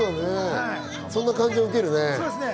そんな感じうけるよね。